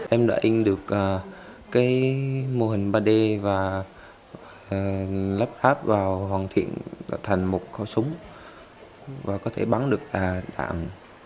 em đã in được cái mô hình ba d và lắp ráp vào hoàn thiện thành một khẩu súng và có thể bắn được đạn